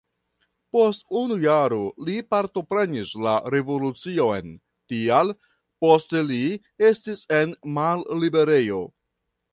Post unu jaro li partoprenis la revolucion, tial poste li estis en malliberejo.